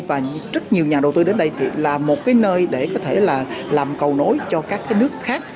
và rất nhiều nhà đầu tư đến đây là một nơi để có thể làm cầu nối cho các nước khác